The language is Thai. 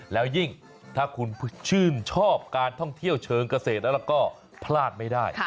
แล้วยิ่งถ้าคุณชื่นชอบการท่องเที่ยวเชิงเกษตรแล้วก็พลาดไม่ได้